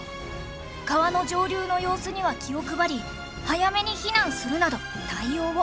川の上流の様子には気を配り早めに避難するなど対応を。